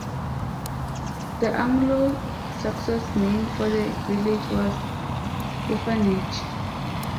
The Anglo-Saxon name for the village was "Bufanege".